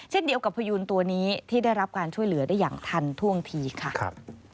เช่นเดียวกับพยูนตัวนี้ที่ได้รับการช่วยเหลือได้อย่างทันท่วงทีค่ะ